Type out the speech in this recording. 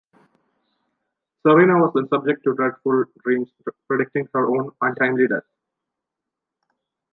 Serena was then subject to dreadful dreams predicting her own untimely death.